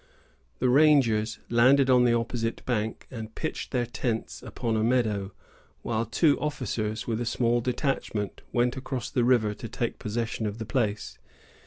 The rangers landed on the opposite bank, and pitched their tents upon a meadow, while two officers, with a small detachment, went across the river to take possession of the place.